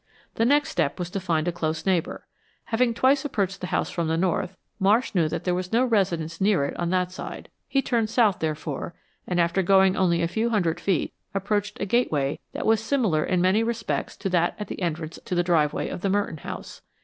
The next step was to find a close neighbor. Having twice approached the house from the north, Marsh knew that there was no residence near it on that side. He turned south, therefore, and after going only a few hundred feet, approached a gateway that was similar in many respects to that at the entrance to the driveway of the Merton home.